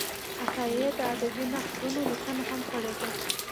عطایي د ادبي نقدونو لیکنه هم کړې ده.